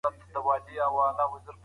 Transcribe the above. ښه فکر تل ژوند ښکلی کوي